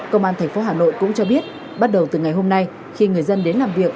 công an thành phố hà nội cũng cho biết bắt đầu từ ngày hôm nay khi người dân đến làm việc